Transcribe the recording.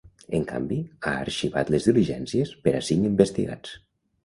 En canvi, ha arxivat les diligències per a cinc investigats.